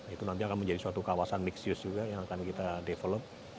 itu nanti akan menjadi suatu kawasan mix use juga yang akan kita develop